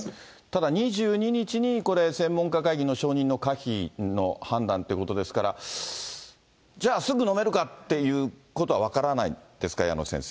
ただ２２日にこれ、専門家会議の承認の可否の判断っていうことですから、じゃあすぐ飲めるかっていうことは分からないですか？